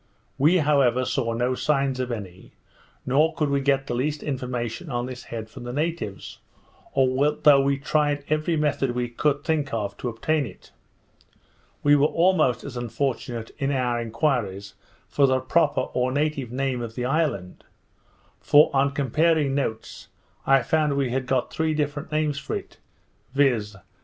We, however, saw no signs of any, nor could we get the least information on this head from the natives, although we tried every method we could think of to obtain it. We were almost as unfortunate in our enquiries for the proper or native name of the island; for, on comparing notes, I found we had got three different names for it, viz.